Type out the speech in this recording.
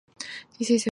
This is a free country.